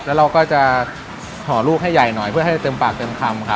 แล้วเราก็จะห่อลูกให้ใหญ่หน่อยเพื่อให้เต็มปากเต็มคำครับ